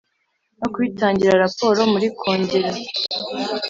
no kubitangira raporo muri Kongere